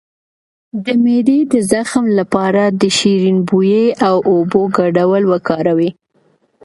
د معدې د زخم لپاره د شیرین بویې او اوبو ګډول وکاروئ